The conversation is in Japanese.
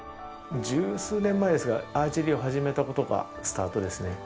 十数年前ですがアーチェリーを始めたことがスタートですね。